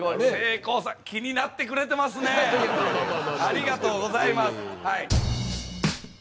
ありがとうございます。